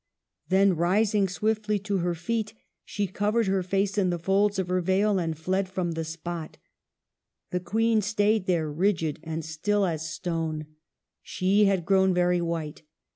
Then, rising swiftly to her feet, she covered her face in the folds of her veil and fled from the spot. The Queen stayed there rigid and still as stone ; 294 MARGARET OF ANGOULEME. she had grown very white.